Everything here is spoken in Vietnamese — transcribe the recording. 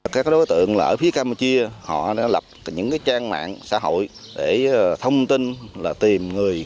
các đối tượng là ở phía campuchia họ đã lập những trang mạng xã hội để thông tin là tìm người